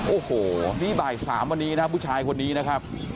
โอ้โหนี่บ่าย๓วันนี้นะครับผู้ชายคนนี้นะครับ